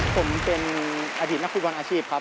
ผมเป็นอดีตนักฟุตบอลอาชีพครับ